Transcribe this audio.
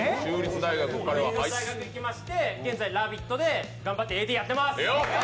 アメリカに行きまして、現在「ラヴィット！」で頑張ってＡＤやってます！